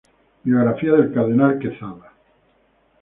Biografía del cardenal Quezada